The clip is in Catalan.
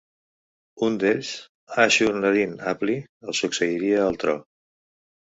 Un d'ells, Ashur-nadin-apli, el succeiria al tro.